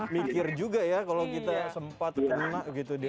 mikir juga ya kalau kita sempat kena gitu dia